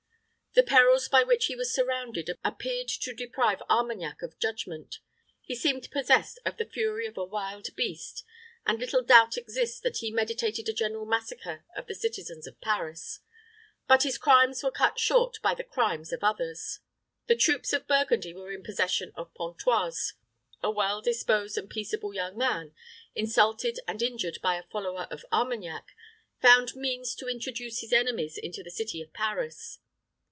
The perils by which he was surrounded appeared to deprive Armagnac of judgment: he seemed possessed of the fury of a wild beast, and little doubt exists that he meditated a general massacre of the citizens of Paris. But his crimes were cut short by the crimes of others. The troops of Burgundy were in possession of Pontoise. A well disposed and peaceable young man, insulted and injured by a follower of Armagnac, found means to introduce his enemies into the city of Paris.